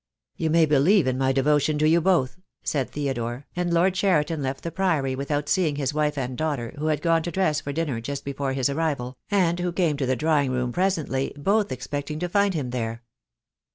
"You may believe in my devotion to you both," said Theodore, and Lord Cheriton left the Priory without seeing his wife and daughter, who had gone to dress for dinner just before his arrival, and who came to the draw ing room presently, both expecting to find him there.